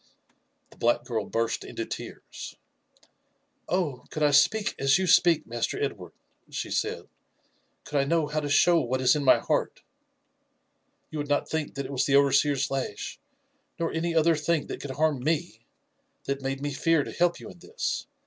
The black girl burst into tears. '' Oh ! could I speak as you speak. Master Edward," she said, >«could I know how to show what is in my heart, — you would not think that it was the overseer's lash, nor any other thing that could harm fne, that made me fear to help you in this.